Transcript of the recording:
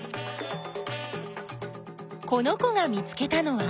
この子が見つけたのは？